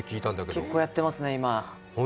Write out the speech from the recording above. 結構やってますね、今。